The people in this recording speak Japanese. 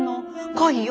恋よ